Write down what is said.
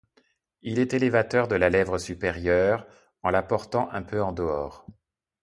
Il est élévateur de la lèvre supérieure en la portant un peu en dehors.